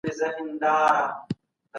د انسان دندي باید په سمه توګه ترسره سي.